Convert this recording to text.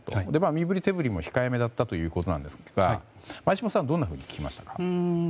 身振り手振りも控えめだったということですが前嶋さんはどんなふうに聞きましたか？